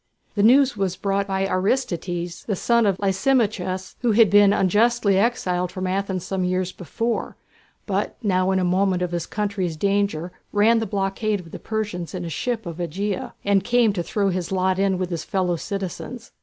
The news was brought by Aristides, the son of Lysimachus, who had been unjustly exiled from Athens some years before, but now in the moment of his country's danger ran the blockade of the Persians in a ship of Ægina, and came to throw in his lot with his fellow citizens.